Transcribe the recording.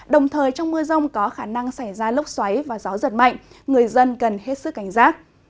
đồng thời trong mưa rông có khả năng xảy ra lốc xoáy và gió giật mạnh người dân cần hết sức cảnh giác